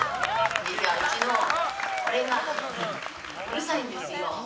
うちのこれがうるさいんですよ。